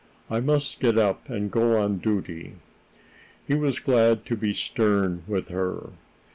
"I must get up and go on duty." He was glad to be stern with her.